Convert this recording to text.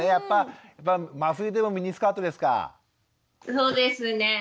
そうですねえ。